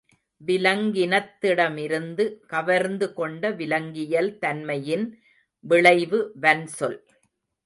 விலங்கினத்திடமிருந்து கவர்ந்து கொண்ட விலங்கியல் தன்மையின் விளைவு வன்சொல்.